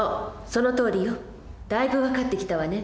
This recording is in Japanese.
そのとおりよ。だいぶ分かってきたわね。